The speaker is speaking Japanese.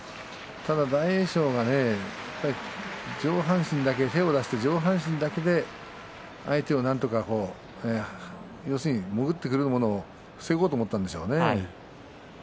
大栄翔が手を出して上半身だけで相手がなんとか潜ってくることを防ごうと思ったんでしょうね。